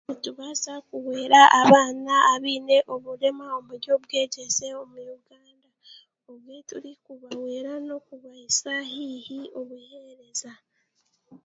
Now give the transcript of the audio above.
Nitubaasa kuhwera abaana abaine obureema omu by'obwegyese omu Uganda obwe turikubahwera n'okubahisya haihi obuheereza